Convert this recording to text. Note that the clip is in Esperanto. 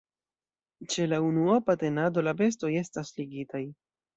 Ĉe la unuopa tenado la bestoj estas ligitaj.